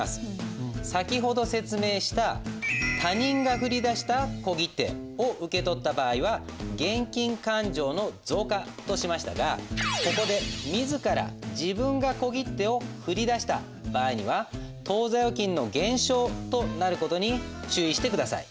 先ほど説明した他人が振り出した小切手を受け取った場合は「現金勘定の増加」としましたがここで自ら自分が小切手を振り出した場合には「当座預金の減少」となる事に注意して下さい。